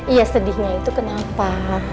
iya sedihnya itu kenapa